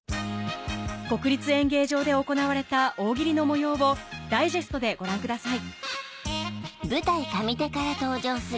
国立演芸場で行われた大喜利の模様をダイジェストでご覧ください